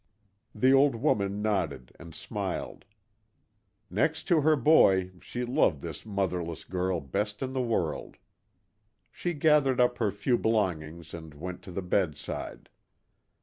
The old woman nodded and smiled. Next to her boy she loved this motherless girl best in the world. She gathered up her few belongings and went to the bedside.